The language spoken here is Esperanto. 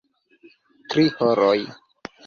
Tri horoj.